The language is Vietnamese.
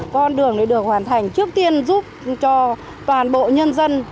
con đường được hoàn thành trước tiên giúp cho toàn bộ nhân dân